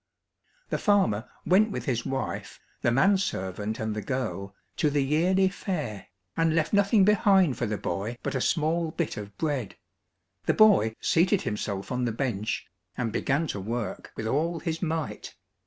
The farmer went with his wife, the man servant and the girl, to the yearly fair, and left nothing behind for the boy but a small bit of bread. The boy seated himself on the bench, and began to work with all his might.